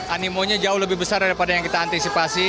animonya jauh lebih besar daripada yang kita antisipasi